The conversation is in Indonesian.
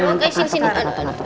ngantuk deh ngantuk